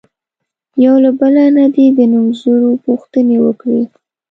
یو له بله نه دې د نومځرو پوښتنې وکړي.